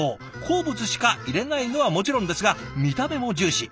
好物しか入れないのはもちろんですが見た目も重視。